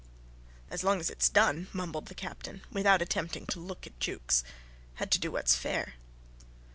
"As long as it's done ...," mumbled the Captain, without attempting to look at Jukes. "Had to do what's fair."